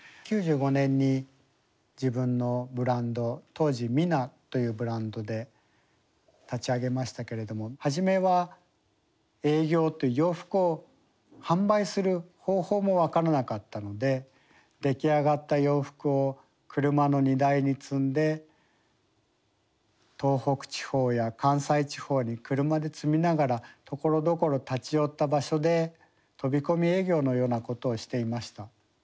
９５年に自分のブランド当時「ミナ」というブランドで立ち上げましたけれども初めは営業という洋服を販売する方法も分からなかったので出来上がった洋服を車の荷台に積んで東北地方や関西地方に車で積みながらところどころ立ち寄った場所で飛び込み営業のようなことをしていました。